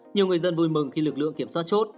nhiều người dân vui mừng khi lực lượng kiểm soát chốt